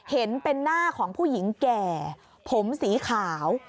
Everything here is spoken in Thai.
เห็นเป็นหน้าของผู้หญิงแก่ผมสีขาว